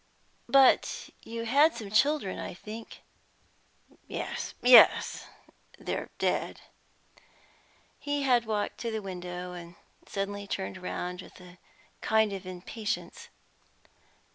"But you had some children, I think?" "Yes, yes, they're dead." He had walked to the window, and suddenly turned round with a kind of impatience.